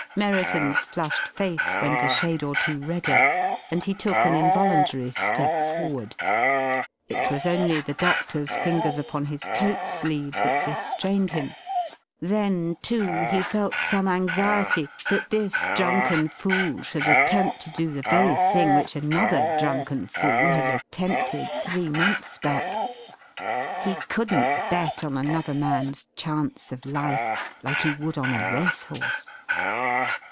Merriton's flushed face went a shade or two redder, and he took an involuntary step forward. It was only the doctor's fingers upon his coat sleeve that restrained him. Then, too, he felt some anxiety that this drunken fool should attempt to do the very thing which another drunken fool had attempted three months back. He couldn't bet on another man's chance of life, like he would on a race horse!